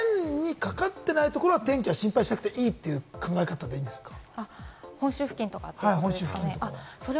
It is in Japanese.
円にかかっていないところは天気は心配しなくていいという考え方でいいんですか？